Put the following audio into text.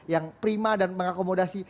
yang prima dan mengakomodasi